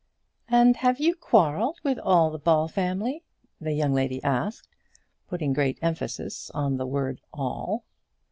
"And have you quarrelled with all the Ball family?" the young lady asked, putting great emphasis on the word all.